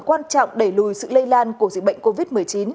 quan trọng đẩy lùi sự lây lan của dịch bệnh covid một mươi chín